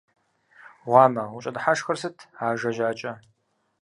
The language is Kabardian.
Гъуамэ! УщӀэдыхьэшхыр сыт, ажэ жьакӀэ?!